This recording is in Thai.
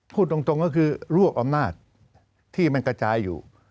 พูดตรงก็คือรวบอำนาจที่มันกระจายอยู่